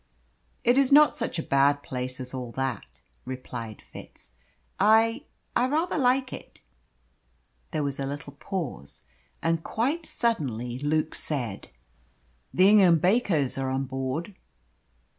"It is not such a bad place as all that," replied Fitz. "I I rather like it." There was a little pause, and quite suddenly Luke said "The Ingham Bakers are on board."